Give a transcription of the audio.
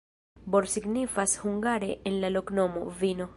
Bor signifas hungare en la loknomo: vino.